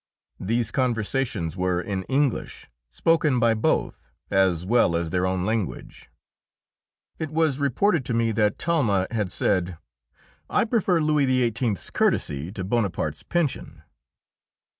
These conversations were in English, spoken by both as well as their own language. It was reported to me that Talma had said, "I prefer Louis XVIII.'s courtesy to Bonaparte's pension."